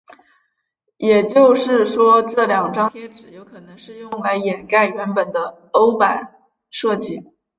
也就是说这两张贴纸有可能是用来掩盖原本的欧版设计。